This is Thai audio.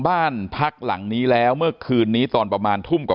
บ้านพักหลังนี้แล้วเมื่อคืนนี้ตอนประมาณทุ่มกว่า